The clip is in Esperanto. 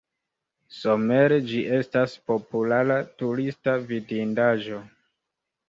Somere ĝi estas populara turista vidindaĵo.